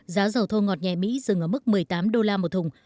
giá dầu thô ngọt nhẹ mỹ dừng ở mức một mươi tám đô la một thùng